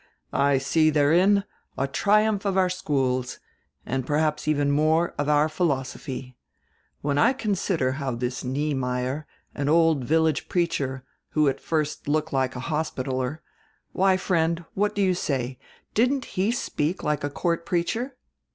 "I see therein a triumph of our schools, and perhaps even more of our philosophy. When I consider how this Niemeyer, an old village preacher, who at first looked like a hospitaler — why, friend, what do you say! Didn't he speak like a court preacher?